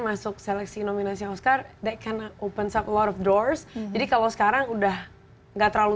masuk seleksi nominasi oscar that can open some a lot of doors jadi kalau sekarang udah nggak terlalu